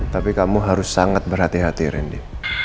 tapi kamu harus sangat berhati hati randy